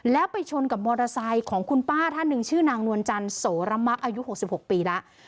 แล้วไปชนกับมอเตอร์ไซค์ของคุณป้าท่านหนึ่งชื่อนางนวลจันทร์โสระมะอายุ๖๖ปีแล้ว